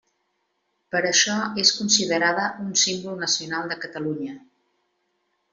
Per això és considerada un símbol nacional de Catalunya.